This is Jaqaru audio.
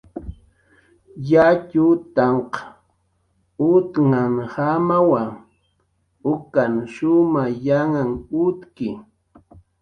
Yatxutanq utnjamawa, ukan shumay yanhan utki